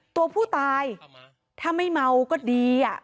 ตัวผู้ตายถ้าไม่เมาก็ดี